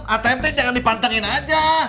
atmt jangan dipantengin aja